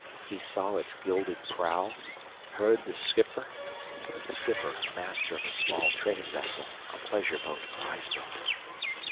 He saw its gilded prow, heard the schipper *{Skipper. Master of a small trading vessel a pleasure boat or iceboat.